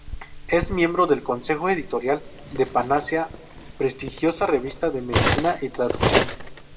Es miembro del consejo editorial de "Panacea", prestigiosa revista de medicina y traducción.